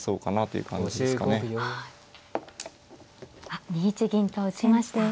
あっ２一銀と打ちました。